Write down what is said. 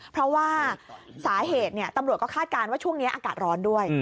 เพราะว่าสาเหตุตำรวจก็คาดการณ์ว่าช่วงนี้อากาศร้อนด้วย